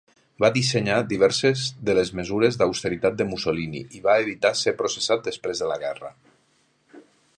Va dissenyar diverses de les mesures d'austeritat de Mussolini i va evitar ser processat després de la guerra.